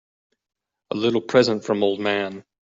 A little present from old man.